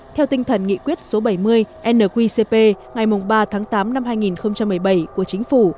theo tinh thần nghị quyết số bảy mươi nqcp ngày ba tháng tám năm hai nghìn một mươi bảy của chính phủ